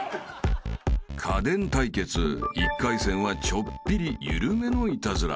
［家電対決１回戦はちょっぴり緩めのイタズラ］